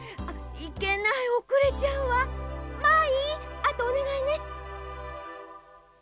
あとおねがいね！